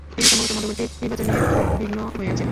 তিনি সম্ভবত মধ্যবর্তী নির্বাচন নিয়ে উদ্বিগ্ন হয়ে আছেন।